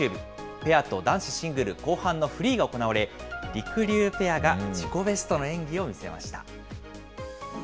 ペアと男子シングル後半のフリーが行われ、りくりゅうペアが自己ベストの演技を見せました。